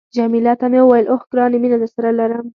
جميله ته مې وویل، اوه، ګرانې مینه درسره لرم.